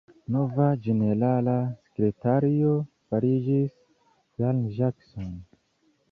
Nova ĝenerala sekretario fariĝis Ian Jackson.